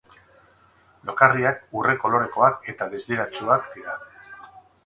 Lokarriak urre-kolorekoak eta distiratsuak dira.